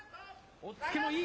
おっつけもいい。